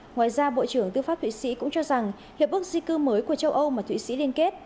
ngoài ra bộ trưởng tư pháp thụy sĩ cũng cho rằng hiệp ước di cư mới của châu âu mà thụy sĩ liên kết